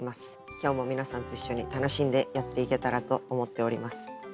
今日も皆さんと一緒に楽しんでやっていけたらと思っております。